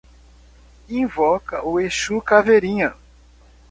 Invoca o exu caveirinha